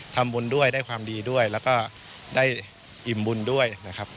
ทำบุญด้วยได้ความดีด้วยแล้วก็ได้อิ่มบุญด้วยนะครับ